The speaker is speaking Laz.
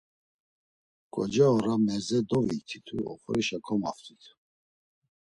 Ǩoca ora merze doviktitu oxorişa komoft̆itu.